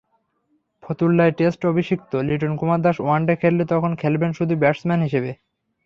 ফতুল্লায় test অভিষিক্ত Liton Kumar Das one day খেললে তখন খেলবেন শুধু ব্যাটসম্যান হিসেবে।